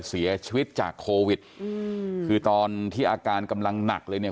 เสียชีวิตจากโควิดอืมคือตอนที่อาการกำลังหนักเลยเนี่ย